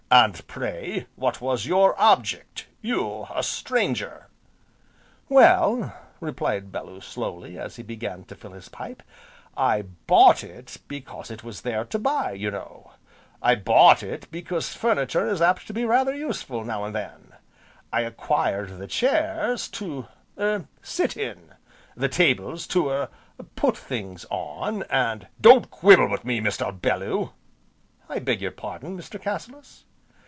"And pray what was your object, you a stranger?" "Well," replied Bellew slowly, as he began to fill his pipe, "I bought it because it was there to buy, you know; I bought it because furniture is apt to be rather useful, now and then, I acquired the chairs to er sit in, the tables to er put things on, and " "Don't quibble with me, Mr. Bellew!" "I beg your pardon, Mr. Cassilis!"